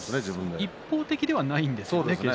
決して一方的ではないんですよね。